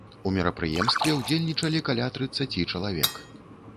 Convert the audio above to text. У мерапрыемстве ўдзельнічалі каля трыццаці чалавек.